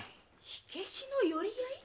火消しの寄り合い？